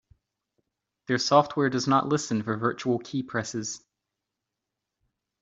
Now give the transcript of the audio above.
Their software does not listen for virtual keypresses.